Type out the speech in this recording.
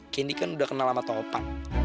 candy kan udah kenal sama topan